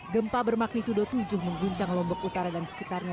gempa bermagnitudo tujuh mengguncang lombok utara dan sekitarnya